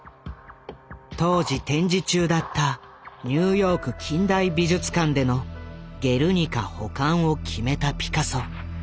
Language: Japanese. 当時展示中だったニューヨーク近代美術館での「ゲルニカ」保管を決めたピカソ。